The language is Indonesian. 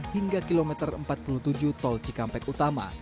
hingga kilometer empat puluh tujuh tol cikampek utama